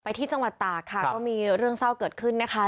ที่จังหวัดตากค่ะก็มีเรื่องเศร้าเกิดขึ้นนะคะ